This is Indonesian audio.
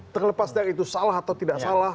terlepas dari itu salah atau tidak salah